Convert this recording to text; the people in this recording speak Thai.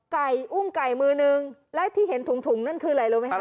ไก่อุ้มไก่มือนึงแล้วที่เห็นถุงถุงนั่นคืออะไรรู้ไหมคะ